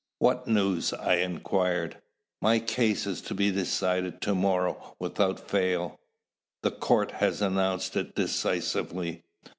"What news?" I inquired. "My case is to be decided to morrow without fail: the court has announced it decisively."